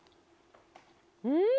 うん！